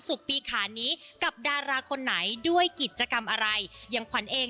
ปีขานนี้กับดาราคนไหนด้วยกิจกรรมอะไรอย่างขวัญเอง